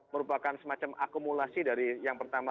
merupakan semacam akumulasi dari yang pertama